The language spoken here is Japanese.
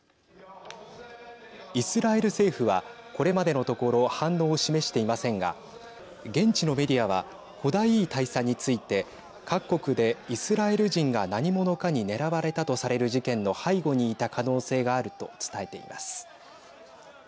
イスラエル政府はこれまでのところ反応を示していませんが現地のメディアはホダイー大佐について各国で、イスラエル人が何者かに狙われたとされる事件の背後にいた可能性があると伝えています。